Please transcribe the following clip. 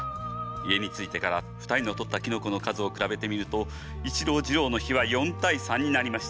家に着いてから２人の採ったキノコの数を比べてみると一郎次郎の比は４対３になりました。